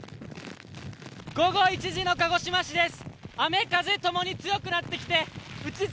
午後１時の鹿児島市です。